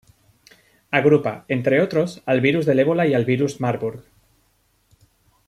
Agrupa, entre otros, al virus del Ébola y al virus de Marburg.